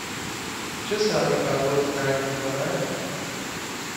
چه ساعتی پرواز ترک می کند؟